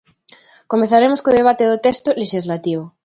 Comezaremos co debate do texto lexislativo.